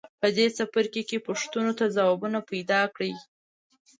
په دې څپرکي کې پوښتنو ته ځوابونه پیداکړئ.